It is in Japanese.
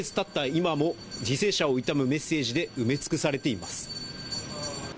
今も犠牲者を悼むメッセージで埋め尽くされています